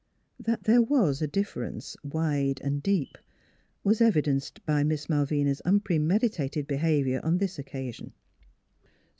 That there was a difference, wide and deep, was evidenced by Miss Malvina's unpremeditated behavior on this occasion.